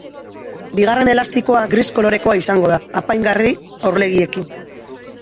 Bigarren elastikoa gris kolorekoa izango da, apaingarri orlegiekin.